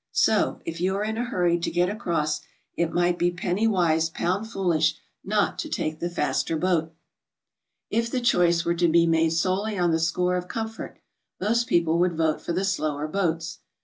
So, if you are in a hurry to get across, it might be penny wise pound foolish not to take the faster boat. If the choice were to be made solely on the score of comfort, most people would vote for the slower boats.